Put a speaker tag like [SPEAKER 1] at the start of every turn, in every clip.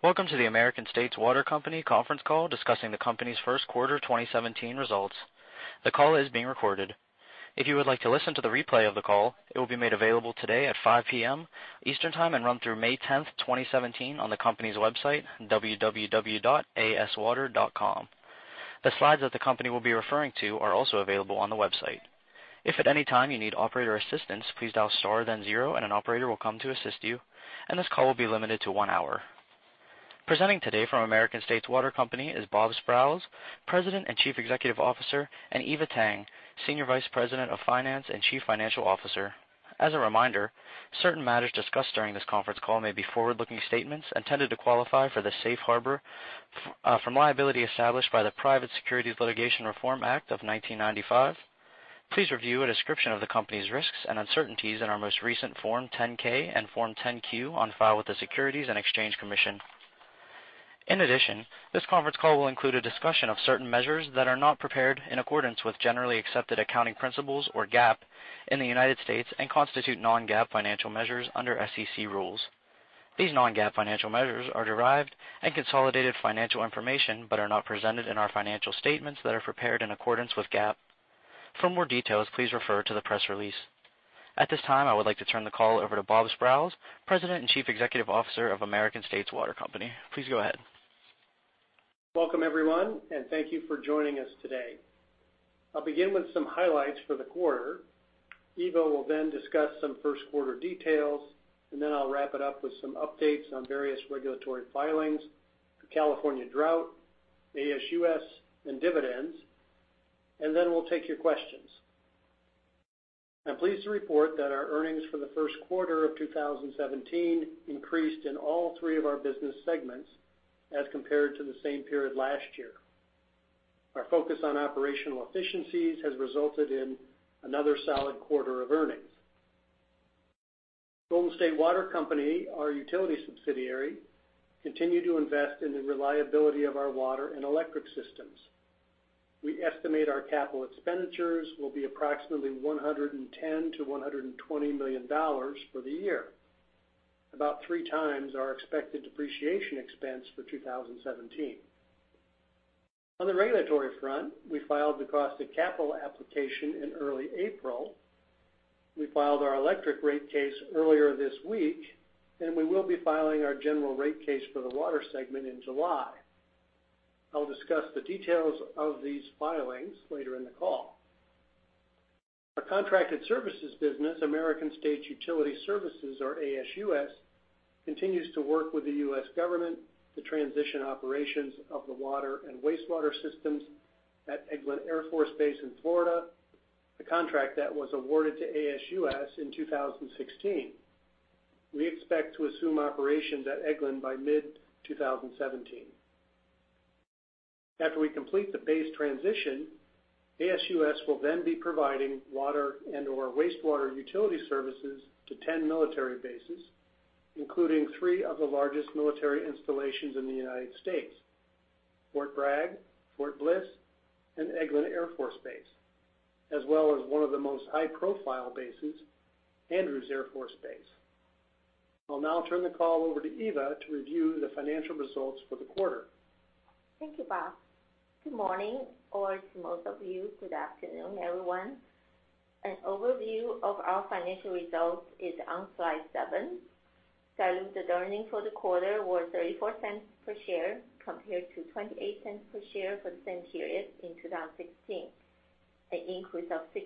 [SPEAKER 1] Welcome to the American States Water Company conference call discussing the company's first quarter 2017 results. The call is being recorded. If you would like to listen to the replay of the call, it will be made available today at 5:00 P.M. Eastern Time and run through May 10th, 2017, on the company's website, www.aswater.com. The slides that the company will be referring to are also available on the website. If at any time you need operator assistance, please dial star then zero. An operator will come to assist you. This call will be limited to one hour. Presenting today from American States Water Company is Robert Sprowls, President and Chief Executive Officer, and Eva Tang, Senior Vice President of Finance and Chief Financial Officer. As a reminder, certain matters discussed during this conference call may be forward-looking statements intended to qualify for the safe harbor from liability established by the Private Securities Litigation Reform Act of 1995. Please review a description of the company's risks and uncertainties in our most recent Form 10-K and Form 10-Q on file with the Securities and Exchange Commission. This conference call will include a discussion of certain measures that are not prepared in accordance with generally accepted accounting principles or GAAP in the United States and constitute non-GAAP financial measures under SEC rules. These non-GAAP financial measures are derived and consolidated financial information but are not presented in our financial statements that are prepared in accordance with GAAP. For more details, please refer to the press release. At this time, I would like to turn the call over to Robert Sprowls, President and Chief Executive Officer of American States Water Company. Please go ahead.
[SPEAKER 2] Welcome, everyone, and thank you for joining us today. I'll begin with some highlights for the quarter. Eva will then discuss some first-quarter details, and then I'll wrap it up with some updates on various regulatory filings, the California drought, ASUS, and dividends, and then we'll take your questions. I'm pleased to report that our earnings for the first quarter of 2017 increased in all three of our business segments as compared to the same period last year. Our focus on operational efficiencies has resulted in another solid quarter of earnings. Golden State Water Company, our utility subsidiary, continued to invest in the reliability of our water and electric systems. We estimate our capital expenditures will be approximately $110 million-$120 million for the year, about three times our expected depreciation expense for 2017. On the regulatory front, we filed the cost of capital application in early April. We filed our electric rate case earlier this week, and we will be filing our general rate case for the water segment in July. I'll discuss the details of these filings later in the call. Our contracted services business, American States Utility Services, or ASUS, continues to work with the U.S. government to transition operations of the water and wastewater systems at Eglin Air Force Base in Florida, a contract that was awarded to ASUS in 2016. We expect to assume operations at Eglin by mid-2017. After we complete the base transition, ASUS will then be providing water and/or wastewater utility services to 10 military bases, including three of the largest military installations in the U.S.: Fort Bragg, Fort Bliss, and Eglin Air Force Base, as well as one of the most high-profile bases, Andrews Air Force Base. I'll now turn the call over to Eva to review the financial results for the quarter.
[SPEAKER 3] Thank you, Bob. Good morning, or to most of you, good afternoon, everyone. An overview of our financial results is on slide seven. Diluted earnings for the quarter were $0.34 per share compared to $0.28 per share for the same period in 2016, an increase of $0.06.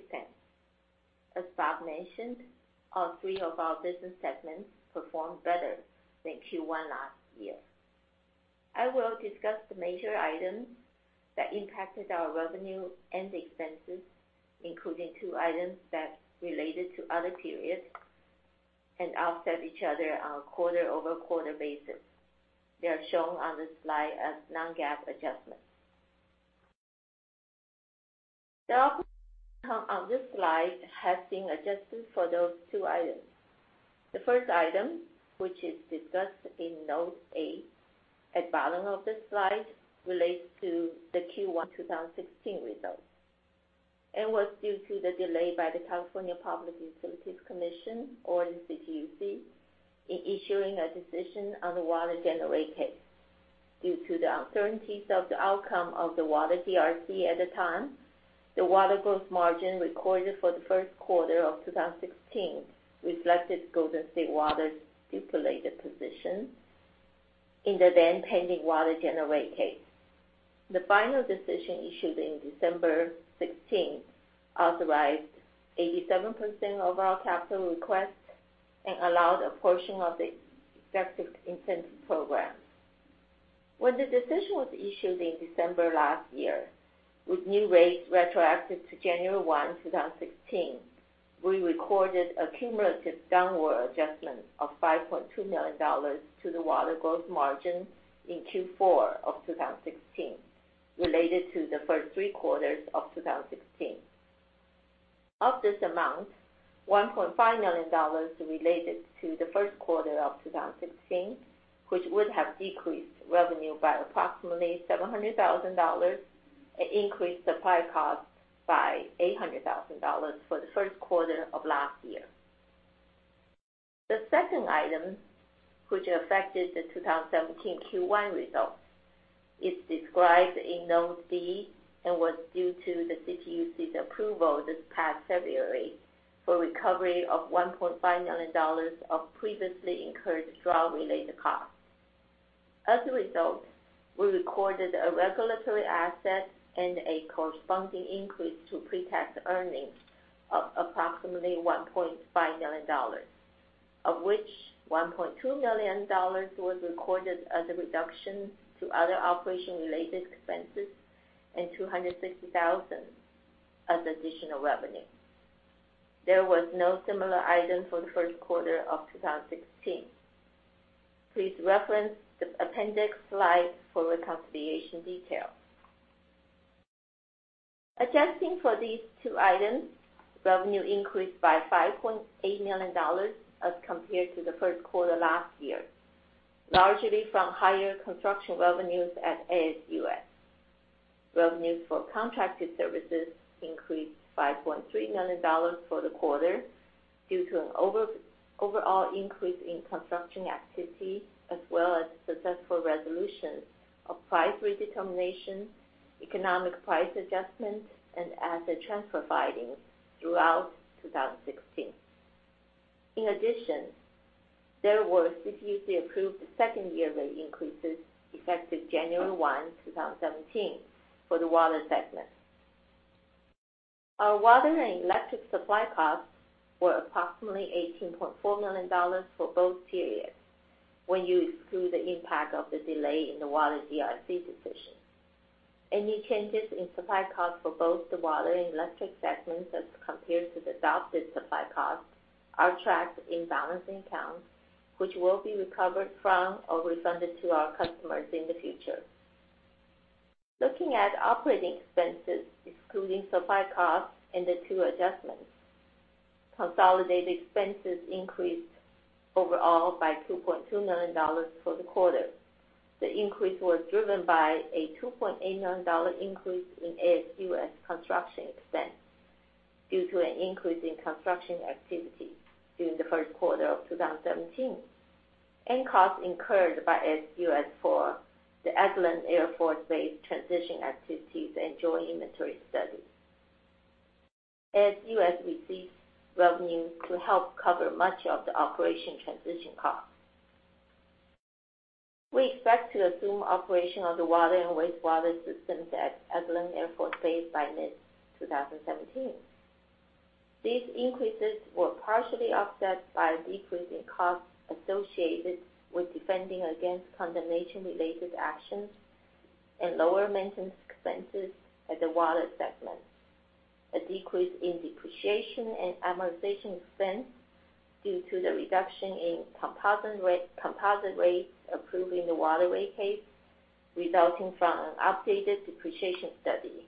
[SPEAKER 3] As Bob mentioned, all three of our business segments performed better than Q1 last year. I will discuss the major items that impacted our revenue and expenses, including two items that related to other periods and offset each other on a quarter-over-quarter basis. They are shown on the slide as non-GAAP adjustments. The operating income on this slide has been adjusted for those two items. The first item, which is discussed in note eight at bottom of this slide, relates to the Q1 2016 results, and was due to the delay by the California Public Utilities Commission, or the CPUC, in issuing a decision on the water general rate case. Due to the uncertainties of the outcome of the water GRC at the time, the water gross margin recorded for the first quarter of 2016 reflected Golden State Water's stipulated position in the then-pending water general rate case. The final decision issued in December 2016 authorized 87% of our capital request and allowed a portion of the expected incentive program. When the decision was issued in December 2016, with new rates retroactive to January 1, 2016, we recorded a cumulative downward adjustment of $5.2 million to the water gross margin in Q4 of 2016, related to the first three quarters of 2016. Of this amount, $1.5 million related to the first quarter of 2016, which would have decreased revenue by approximately $700,000 and increased supply costs by $800,000 for the first quarter of last year. The second item, which affected the 2017 Q1 results, is described in Note D and was due to the CPUC's approval this past February for recovery of $1.5 million of previously incurred drought-related costs. As a result, we recorded a regulatory asset and a corresponding increase to pre-tax earnings of approximately $1.5 million, of which $1.2 million was recorded as a reduction to other operation-related expenses and $260,000 as additional revenue. There was no similar item for the first quarter of 2016. Please reference the appendix slide for reconciliation detail. Adjusting for these two items, revenue increased by $5.8 million as compared to the first quarter last year, largely from higher construction revenues at ASUS. Revenues for contracted services increased by $5.3 million for the quarter due to an overall increase in construction activity as well as successful resolution of price redetermination, economic price adjustments, and asset transfer filings throughout 2016. In addition, there were CPUC-approved second-year rate increases effective January 1, 2017, for the Water segment. Our water and electric supply costs were approximately $18.4 million for both periods when you exclude the impact of the delay in the Water GRC decision. Any changes in supply costs for both the Water and Electric segments as compared to the adopted supply costs are tracked in balancing accounts, which will be recovered from or refunded to our customers in the future. Looking at operating expenses, excluding supply costs and the two adjustments, consolidated expenses increased overall by $2.2 million for the quarter. The increase was driven by a $2.8 million increase in ASUS construction expense due to an increase in construction activity during the first quarter of 2017 and costs incurred by ASUS for the Eglin Air Force Base transition activities and joint inventory study. ASUS received revenue to help cover much of the operation transition cost. We expect to assume operation of the water and wastewater systems at Eglin Air Force Base by mid-2017. These increases were partially offset by a decrease in costs associated with defending against condemnation-related actions and lower maintenance expenses at the Water segment. A decrease in depreciation and amortization expense due to the reduction in composite rates approved in the Water Rate Case, resulting from an updated depreciation study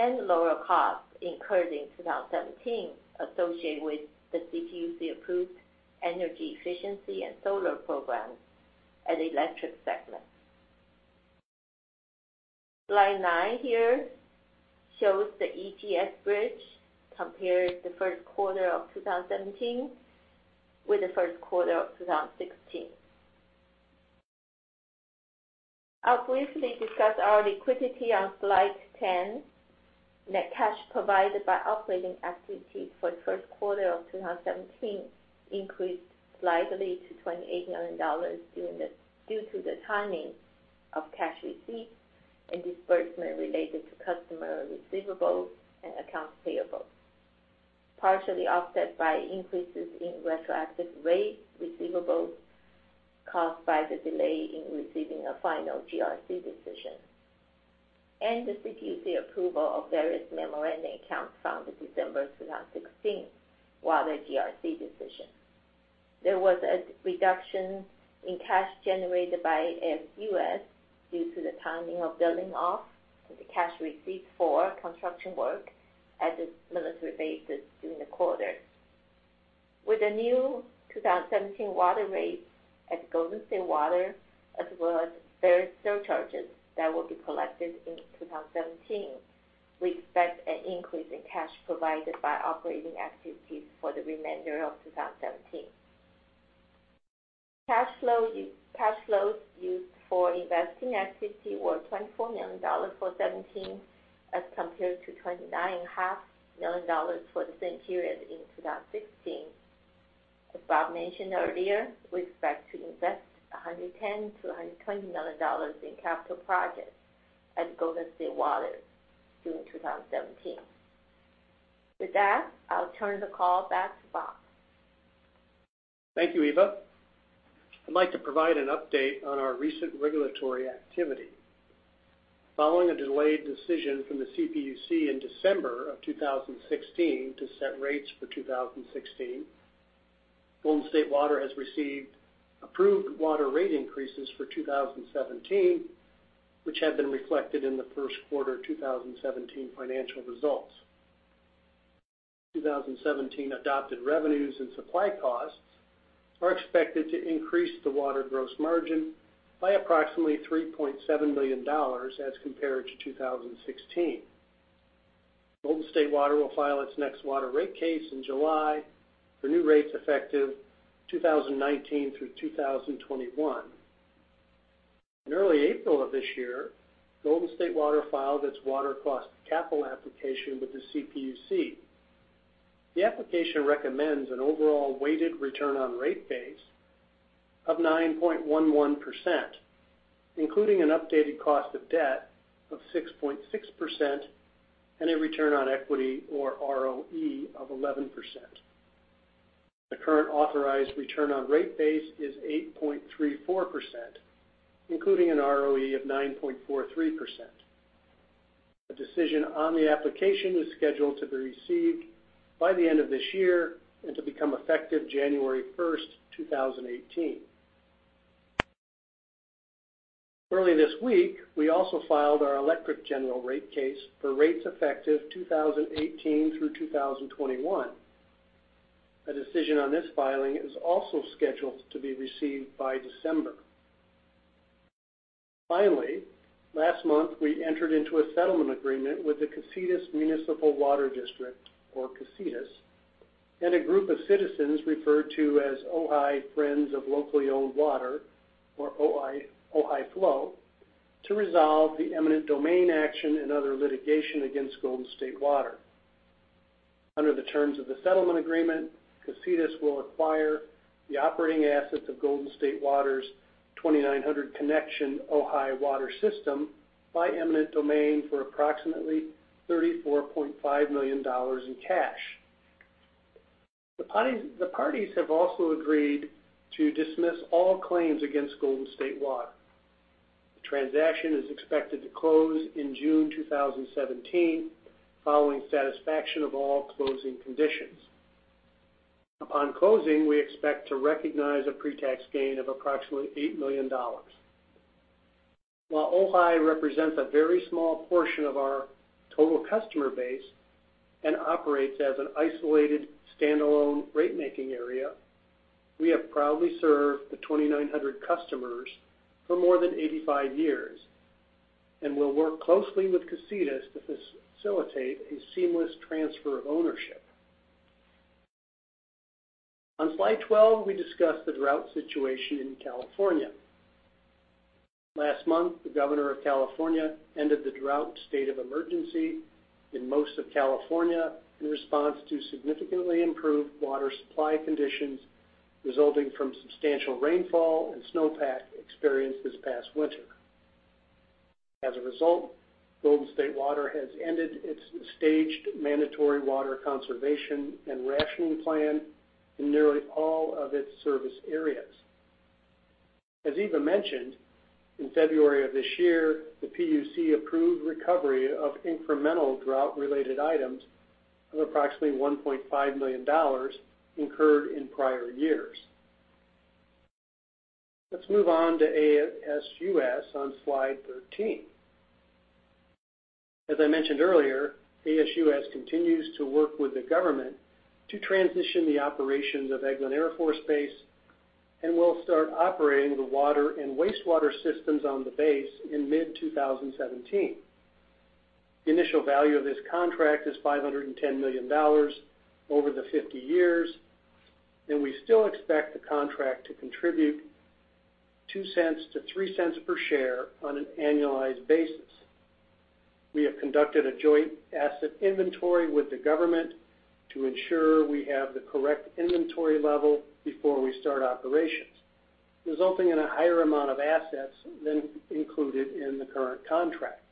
[SPEAKER 3] and lower costs incurred in 2017 associated with the CPUC-approved energy efficiency and solar programs at Electric segment. Slide nine here shows the EPS bridge compared the first quarter of 2017 with the first quarter of 2016. I'll briefly discuss our liquidity on slide 10. Net cash provided by operating activities for the first quarter of 2017 increased slightly to $28 million due to the timing of cash receipts and disbursement related to customer receivables and accounts payable, partially offset by increases in retroactive rate receivables caused by the delay in receiving a final GRC decision and the CPUC approval of various memorandum accounts from the December 2016 Water GRC decision. There was a reduction in cash generated by ASUS due to the timing of billing off the cash receipts for construction work at the military bases during the quarter. With the new 2017 water rates at Golden State Water, as well as various surcharges that will be collected in 2017, we expect an increase in cash provided by operating activities for the remainder of 2017. Cash flows used for investing activity were $24 million for 2017 as compared to $29.5 million for the same period in 2016. As Bob mentioned earlier, we expect to invest $110 million-$120 million in capital projects at Golden State Water during 2017. With that, I'll turn the call back to Bob.
[SPEAKER 2] Thank you, Eva. I'd like to provide an update on our recent regulatory activity. Following a delayed decision from the CPUC in December 2016 to set rates for 2016, Golden State Water has received approved water rate increases for 2017, which have been reflected in the first quarter 2017 financial results. 2017 adopted revenues and supply costs are expected to increase the water gross margin by approximately $3.7 million as compared to 2016. Golden State Water will file its next Water Rate Case in July for new rates effective 2019 through 2021. In early April of this year, Golden State Water filed its Water Cost of Capital application with the CPUC. The application recommends an overall weighted return on rate base of 9.11%, including an updated cost of debt of 6.6% and a return on equity, or ROE, of 11%. The current authorized return on rate base is 8.34%, including an ROE of 9.43%. A decision on the application is scheduled to be received by the end of this year and to become effective January 1, 2018. Early this week, we also filed our electric general rate case for rates effective 2018 through 2021. A decision on this filing is also scheduled to be received by December. Finally, last month, we entered into a settlement agreement with the Casitas Municipal Water District, or Casitas, and a group of citizens referred to as Ojai Friends of Locally Owned Water, or Ojai FLOW, to resolve the eminent domain action and other litigation against Golden State Water. Under the terms of the settlement agreement, Casitas will acquire the operating assets of Golden State Water's 2,900 connection Ojai water system by eminent domain for approximately $34.5 million in cash. The parties have also agreed to dismiss all claims against Golden State Water. The transaction is expected to close in June 2017, following satisfaction of all closing conditions. Upon closing, we expect to recognize a pre-tax gain of approximately $8 million. While Ojai represents a very small portion of our total customer base and operates as an isolated standalone rate making area, we have proudly served the 2,900 customers for more than 85 years and will work closely with Casitas to facilitate a seamless transfer of ownership. On slide 12, we discuss the drought situation in California. Last month, the governor of California ended the drought state of emergency in most of California in response to significantly improved water supply conditions resulting from substantial rainfall and snowpack experienced this past winter. As a result, Golden State Water has ended its staged mandatory water conservation and rationing plan in nearly all of its service areas. As Eva mentioned, in February of this year, the PUC approved recovery of incremental drought-related items of approximately $1.5 million incurred in prior years. Let's move on to ASUS on slide 13. As I mentioned earlier, ASUS continues to work with the government to transition the operations of Eglin Air Force Base and will start operating the water and wastewater systems on the base in mid-2017. The initial value of this contract is $510 million over the 50 years, and we still expect the contract to contribute $0.02 to $0.03 per share on an annualized basis. We have conducted a joint asset inventory with the government to ensure we have the correct inventory level before we start operations, resulting in a higher amount of assets than included in the current contract.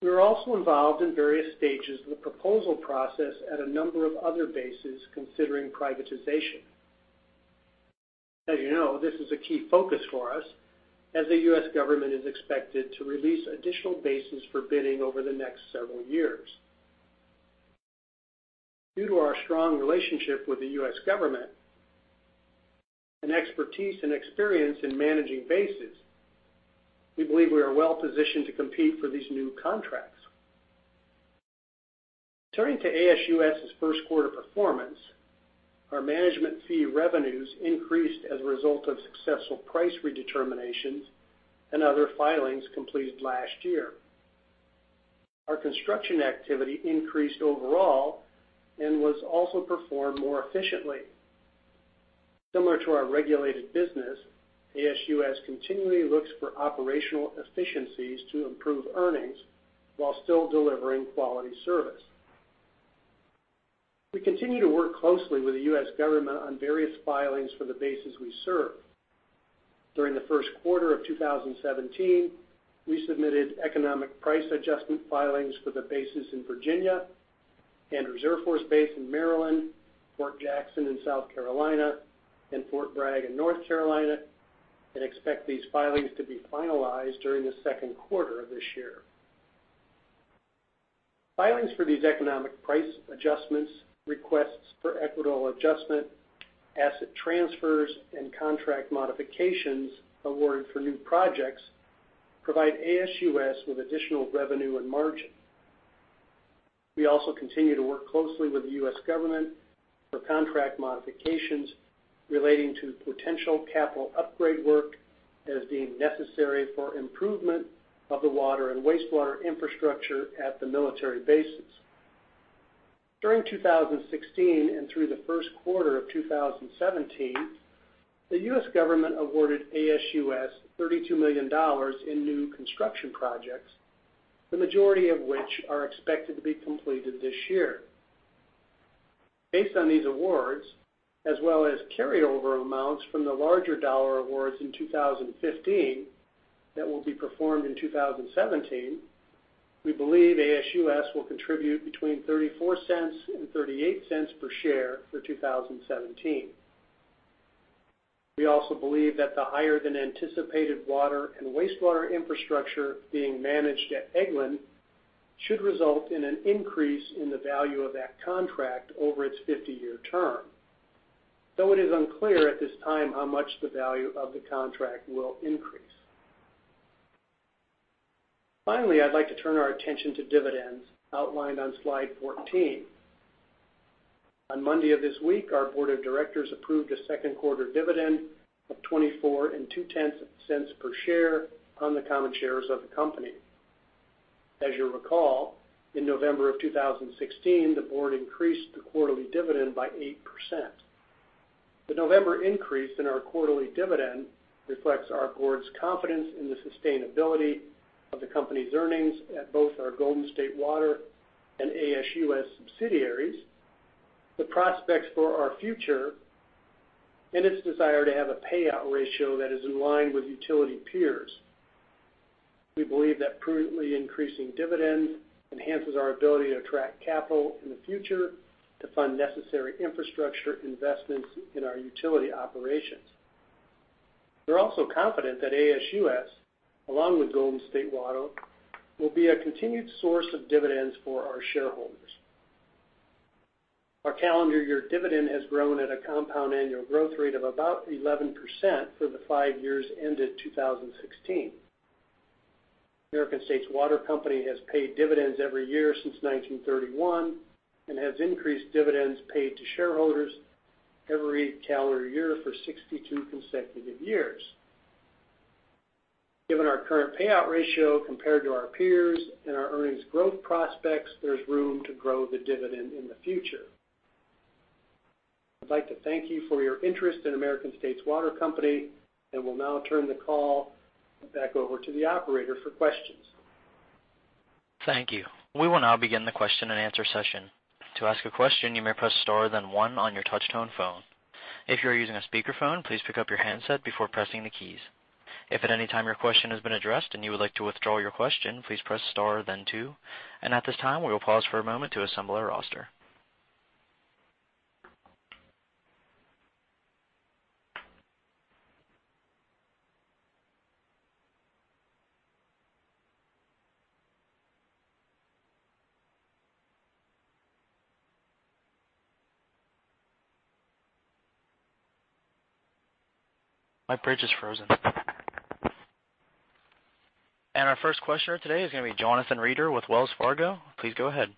[SPEAKER 2] We are also involved in various stages of the proposal process at a number of other bases considering privatization. As you know, this is a key focus for us, as the U.S. government is expected to release additional bases for bidding over the next several years. Due to our strong relationship with the U.S. government and expertise and experience in managing bases, we believe we are well positioned to compete for these new contracts. Turning to ASUS's first quarter performance, our management fee revenues increased as a result of successful price redeterminations and other filings completed last year. Our construction activity increased overall and was also performed more efficiently. Similar to our regulated business, ASUS continually looks for operational efficiencies to improve earnings while still delivering quality service. We continue to work closely with the U.S. government on various filings for the bases we serve. During the first quarter of 2017, we submitted economic price adjustment filings for the bases in Virginia and U.S. Army Reserve in Maryland, Fort Jackson in South Carolina, and Fort Bragg in North Carolina, and expect these filings to be finalized during the second quarter of this year. Filings for these economic price adjustments, requests for equitable adjustment, asset transfers, and contract modifications awarded for new projects provide ASUS with additional revenue and margin. We also continue to work closely with the U.S. government for contract modifications relating to potential capital upgrade work that is deemed necessary for improvement of the water and wastewater infrastructure at the military bases. During 2016 and through the first quarter of 2017, the U.S. government awarded ASUS $32 million in new construction projects, the majority of which are expected to be completed this year. Based on these awards, as well as carryover amounts from the larger dollar awards in 2015 that will be performed in 2017, we believe ASUS will contribute between $0.34 and $0.38 per share for 2017. We also believe that the higher than anticipated water and wastewater infrastructure being managed at Eglin should result in an increase in the value of that contract over its 50-year term. Though it is unclear at this time how much the value of the contract will increase. Finally, I'd like to turn our attention to dividends outlined on slide 14. On Monday of this week, our board of directors approved a second quarter dividend of $0.242 per share on the common shares of the company. As you'll recall, in November of 2016, the board increased the quarterly dividend by 8%. The November increase in our quarterly dividend reflects our board's confidence in the sustainability of the company's earnings at both our Golden State Water and ASUS subsidiaries, the prospects for our future, and its desire to have a payout ratio that is in line with utility peers. We believe that prudently increasing dividends enhances our ability to attract capital in the future to fund necessary infrastructure investments in our utility operations. We're also confident that ASUS, along with Golden State Water, will be a continued source of dividends for our shareholders. Our calendar year dividend has grown at a compound annual growth rate of about 11% for the five years ended 2016. American States Water Company has paid dividends every year since 1931 and has increased dividends paid to shareholders every calendar year for 62 consecutive years. Given our current payout ratio compared to our peers and our earnings growth prospects, there's room to grow the dividend in the future. I'd like to thank you for your interest in American States Water Company, will now turn the call back over to the operator for questions.
[SPEAKER 1] Thank you. We will now begin the question and answer session. To ask a question, you may press star, then one on your touch-tone phone. If you are using a speakerphone, please pick up your handset before pressing the keys. If at any time your question has been addressed and you would like to withdraw your question, please press star then two. At this time, we will pause for a moment to assemble our roster. My bridge is frozen. Our first questioner today is going to be Jonathan Reeder with Wells Fargo. Please go ahead.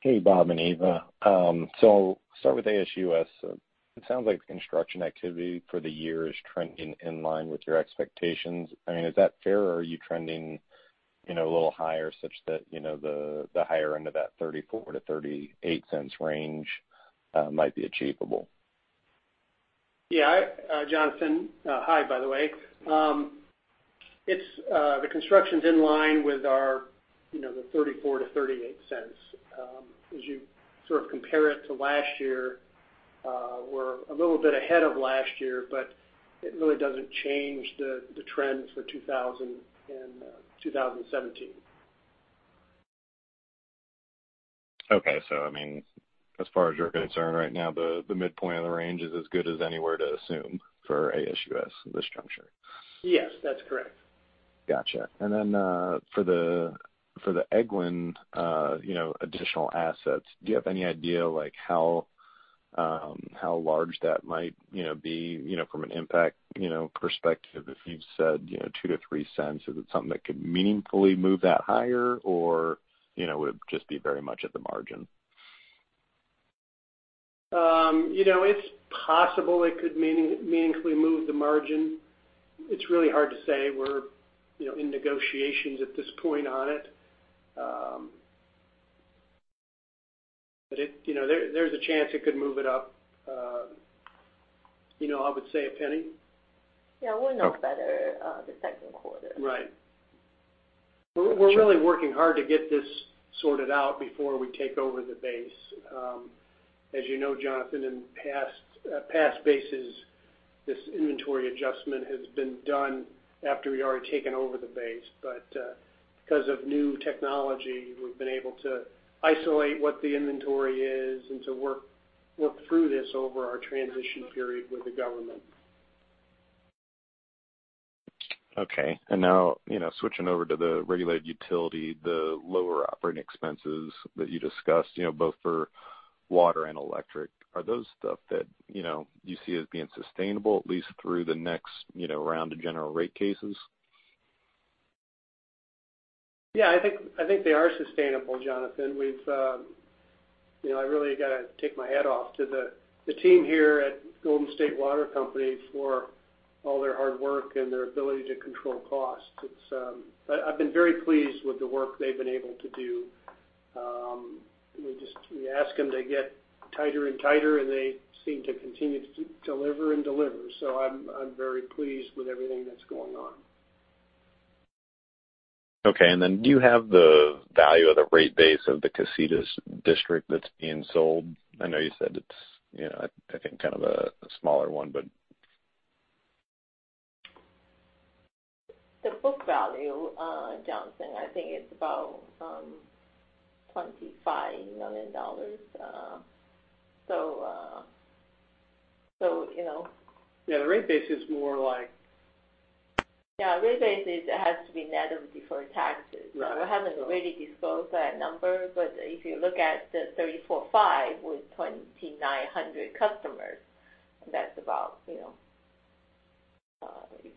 [SPEAKER 4] Hey, Bob and Eva. Start with ASUS. It sounds like construction activity for the year is trending in line with your expectations. Is that fair or are you trending a little higher such that the higher end of that $0.34-$0.38 range might be achievable?
[SPEAKER 2] Yeah. Jonathan, hi, by the way. The construction's in line with the $0.34-$0.38. As you sort of compare it to last year, we're a little bit ahead of last year, it really doesn't change the trend for 2017.
[SPEAKER 4] Okay. As far as you're concerned right now, the midpoint of the range is as good as anywhere to assume for ASUS at this juncture.
[SPEAKER 2] Yes, that's correct.
[SPEAKER 4] Got you. For the Eglin additional assets, do you have any idea how large that might be from an impact perspective? If you've said $0.02-$0.03, is it something that could meaningfully move that higher or would it just be very much at the margin?
[SPEAKER 2] It's possible it could meaningfully move the margin. It's really hard to say. We're in negotiations at this point on it. There's a chance it could move it up, I would say $0.01.
[SPEAKER 3] Yeah, we'll know better the second quarter.
[SPEAKER 2] Right. We're really working hard to get this sorted out before we take over the base. As you know, Jonathan, in past bases, this inventory adjustment has been done after we'd already taken over the base. Because of new technology, we've been able to isolate what the inventory is and to work through this over our transition period with the government.
[SPEAKER 4] Okay. Now, switching over to the regulated utility, the lower operating expenses that you discussed both for water and electric. Are those stuff that you see as being sustainable, at least through the next round of general rate cases?
[SPEAKER 2] Yeah, I think they are sustainable, Jonathan. I really got to take my hat off to the team here at Golden State Water Company for all their hard work and their ability to control costs. I've been very pleased with the work they've been able to do. We ask them to get tighter and tighter, and they seem to continue to deliver and deliver. I'm very pleased with everything that's going on.
[SPEAKER 4] Okay. Do you have the value of the rate base of the Casitas district that's being sold?
[SPEAKER 3] The book value, Jonathan, I think it's about $25 million.
[SPEAKER 2] Yeah, the rate base.
[SPEAKER 3] Yeah, rate base has to be net of deferred taxes.
[SPEAKER 2] Right.
[SPEAKER 3] We haven't really disclosed that number, if you look at the 34.5 million with 2,900 customers, that's about, you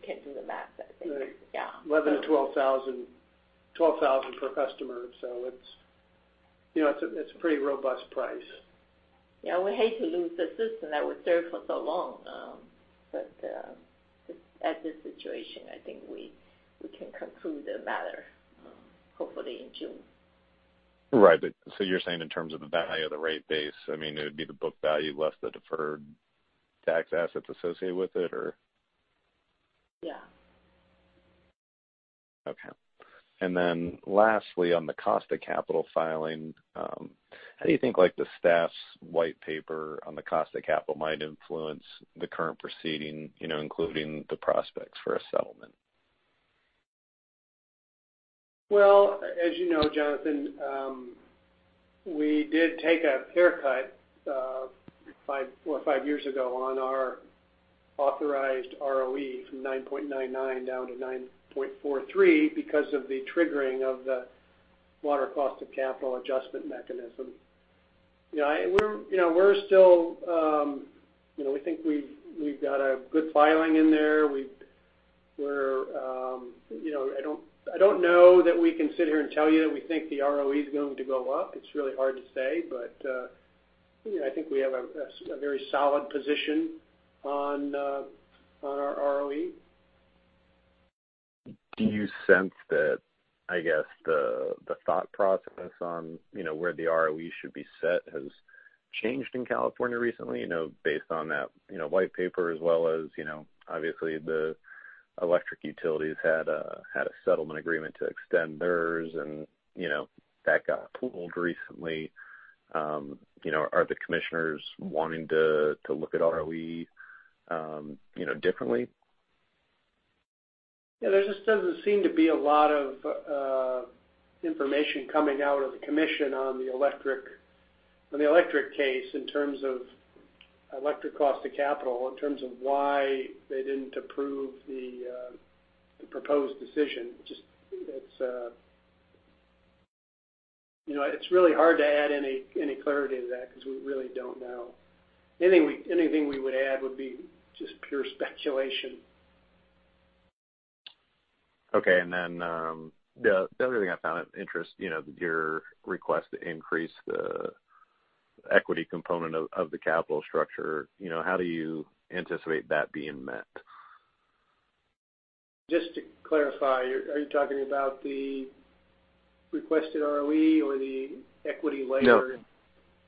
[SPEAKER 3] can do the math, I think. Yeah.
[SPEAKER 2] $11,000-$12,000 per customer. It's a pretty robust price.
[SPEAKER 3] Yeah. We hate to lose the system that would serve for so long. At this situation, I think we can conclude the matter, hopefully in June.
[SPEAKER 4] Right. You're saying in terms of the value of the rate base, it would be the book value less the deferred tax assets associated with it, or?
[SPEAKER 3] Yeah.
[SPEAKER 4] Okay. Lastly, on the cost of capital filing, how do you think the staff's white paper on the cost of capital might influence the current proceeding, including the prospects for a settlement?
[SPEAKER 2] As you know, Jonathan, we did take a haircut 4 or 5 years ago on our authorized ROE from 9.99 down to 9.43 because of the triggering of the Water Cost of Capital Adjustment Mechanism. We think we've got a good filing in there. I don't know that we can sit here and tell you that we think the ROE is going to go up. It's really hard to say, but I think we have a very solid position on our ROE.
[SPEAKER 4] Do you sense that, I guess, the thought process on where the ROE should be set has changed in California recently, based on that white paper as well as obviously the electric utilities had a settlement agreement to extend theirs, and that got pulled recently? Are the commissioners wanting to look at ROE differently?
[SPEAKER 2] Yeah, there just doesn't seem to be a lot of information coming out of the commission on the electric case in terms of electric cost of capital, in terms of why they didn't approve the proposed decision. It's really hard to add any clarity to that because we really don't know. Anything we would add would be just pure speculation.
[SPEAKER 4] Okay, the other thing I found of interest, your request to increase the equity component of the capital structure, how do you anticipate that being met?
[SPEAKER 2] Just to clarify, are you talking about the requested ROE or the equity layer?
[SPEAKER 4] No.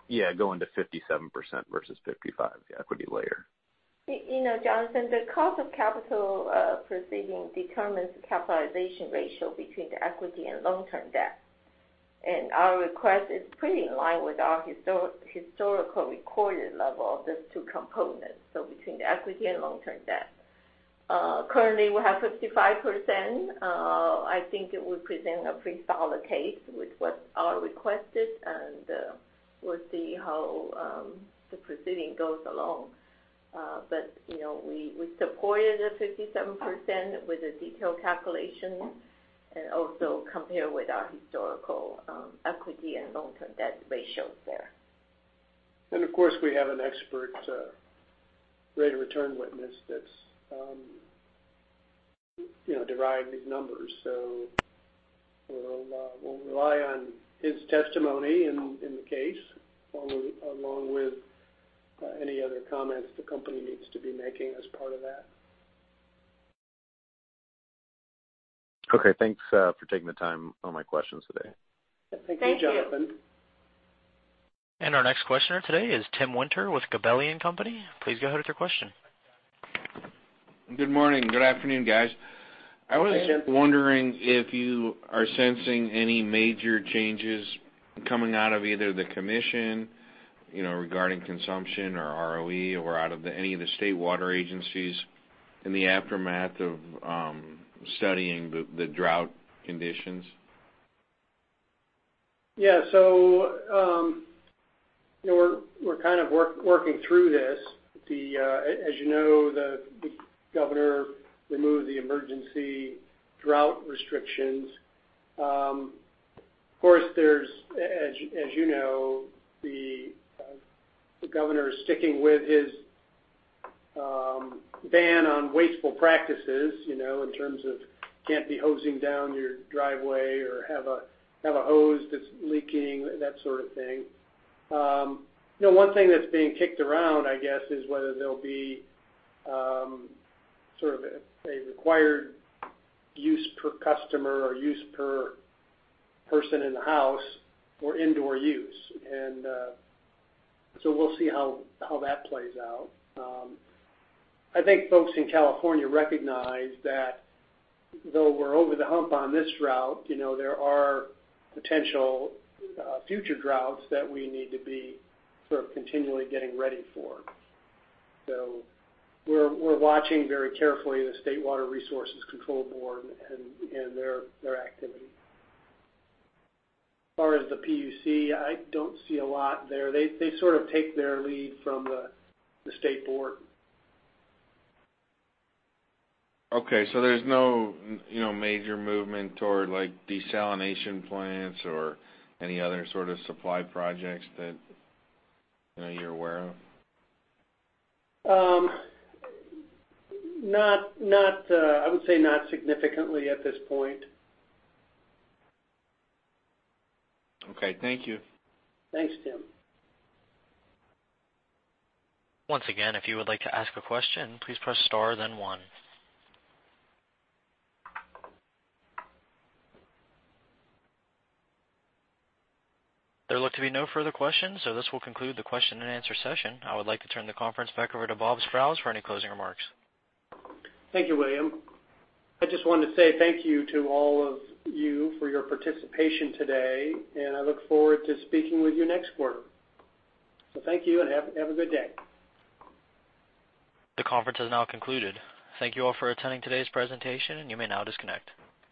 [SPEAKER 4] Yeah, going to 57% versus 55%, the equity layer.
[SPEAKER 3] Jonathan, the cost of capital proceeding determines the capitalization ratio between the equity and long-term debt. Our request is pretty in line with our historical recorded level of those two components, so between the equity and long-term debt. Currently, we have 55%. I think it would present a pretty solid case with what are requested, and we'll see how the proceeding goes along. We supported the 57% with a detailed calculation and also compare with our historical equity and long-term debt ratios there.
[SPEAKER 2] Of course, we have an expert rate of return witness that's derived these numbers. We'll rely on his testimony in the case along with any other comments the company needs to be making as part of that.
[SPEAKER 4] Okay. Thanks for taking the time on my questions today.
[SPEAKER 2] Thank you, Jonathan.
[SPEAKER 3] Thank you.
[SPEAKER 1] Our next questioner today is Timothy Winter with Gabelli & Company. Please go ahead with your question.
[SPEAKER 5] Good morning. Good afternoon, guys.
[SPEAKER 2] Hey, Tim.
[SPEAKER 5] I was wondering if you are sensing any major changes coming out of either the Commission regarding consumption or ROE or out of any of the state water agencies in the aftermath of studying the drought conditions.
[SPEAKER 2] Yeah. We're kind of working through this. As you know, the governor removed the emergency drought restrictions. Of course, as you know, the governor is sticking with his ban on wasteful practices, in terms of can't be hosing down your driveway or have a hose that's leaking, that sort of thing. One thing that's being kicked around, I guess, is whether there'll be a required use per customer or use per person in the house for indoor use. We'll see how that plays out. I think folks in California recognize that though we're over the hump on this drought, there are potential future droughts that we need to be continually getting ready for. We're watching very carefully the State Water Resources Control Board and their activity. As far as the PUC, I don't see a lot there. They take their lead from the State Board.
[SPEAKER 5] There's no major movement toward desalination plants or any other sort of supply projects that you're aware of?
[SPEAKER 2] I would say not significantly at this point.
[SPEAKER 5] Okay. Thank you.
[SPEAKER 2] Thanks, Tim.
[SPEAKER 1] Once again, if you would like to ask a question, please press star then one. There look to be no further questions, this will conclude the question and answer session. I would like to turn the conference back over to Bob Sprowls for any closing remarks.
[SPEAKER 2] Thank you, William. I just wanted to say thank you to all of you for your participation today, and I look forward to speaking with you next quarter. Thank you and have a good day.
[SPEAKER 1] The conference has now concluded. Thank you all for attending today's presentation, and you may now disconnect.